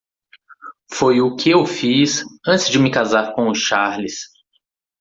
Foi o que eu fiz antes de me casar com o Charles.